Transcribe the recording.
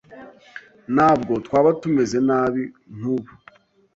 Ntabwo twaba tumeze nabi nkubu.